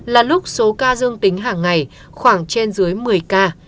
là lúc số ca dương tính hàng ngày khoảng trên dưới một mươi ca